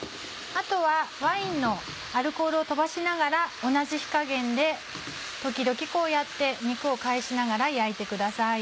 あとはワインのアルコールを飛ばしながら同じ火加減で時々こうやって肉を返しながら焼いてください。